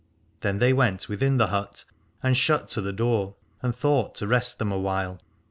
Then they went within the hut and shut to the door and thought to rest them awhile.